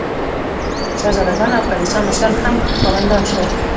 شهزاده ګان او کلیسا مشران هم خاوندان شول.